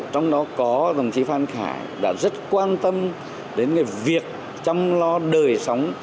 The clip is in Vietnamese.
trong đó có đồng chí phan khải đã rất quan tâm đến việc chăm lo đời sống